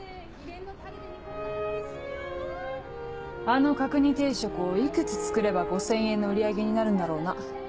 あの角煮定食をいくつ作れば５０００円の売り上げになるんだろうな。